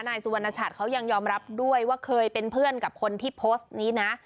นายสุวรรณชัดเขายังยอมรับด้วยว่าเคยเป็นเพื่อนกับคนที่โพสต์นี้นะ